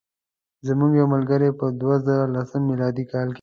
زموږ یو ملګری په دوه زره لسم میلادي کال.